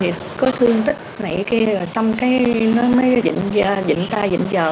thì có thương tích nãy kia xong cái nó mới dịnh ta dịnh giờ